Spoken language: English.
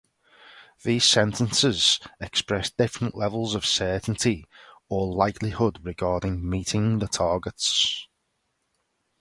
These sentences express different levels of certainty or likelihood regarding meeting the targets.